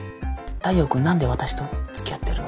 「太陽君何で私とつきあってるの？」